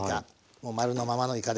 もう丸のままのいかです。